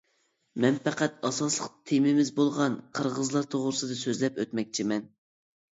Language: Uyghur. مەن پەقەت ئاساسلىق تېمىمىز بولغان قىرغىزلار توغرىسىدا سۆزلەپ ئۆتمەكچىمەن.